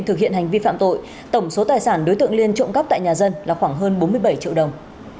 thực hiện hành vi phạm tội tổng số tài sản đối tượng liên trộm cắp tại nhà dân là khoảng hơn bốn mươi bảy triệu đồng